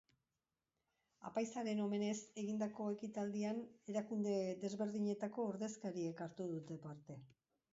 Apaizaren omenez egindako ekitaldian erakunde desberdinetako ordezkariek hartu dute parte.